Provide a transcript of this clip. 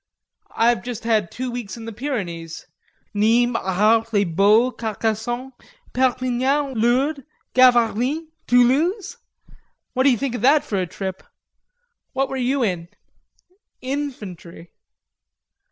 I've just had two weeks in the Pyrenees. Nimes, Arles, Les Baux, Carcassonne, Perpignan, Lourdes, Gavarnie, Toulouse! What do you think of that for a trip?... What were you in?" "Infantry."